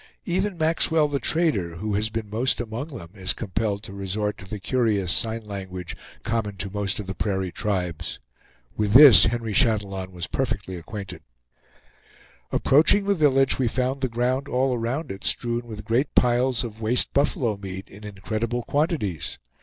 Even Maxwell the trader, who has been most among them, is compelled to resort to the curious sign language common to most of the prairie tribes. With this Henry Chatillon was perfectly acquainted. Approaching the village, we found the ground all around it strewn with great piles of waste buffalo meat in incredible quantities.